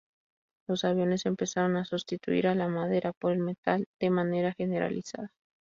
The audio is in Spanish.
Los aviones empezaron a sustituir la madera por el metal de manera generalizada.